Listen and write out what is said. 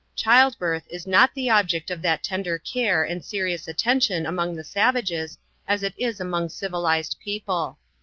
Child birth is not the object of that tender care and serious atten tion among the savages as it is among civilized people.